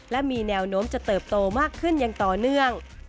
และมีแนวโน้มจะเติบโตมากขึ้นอย่างต่อเนื่อง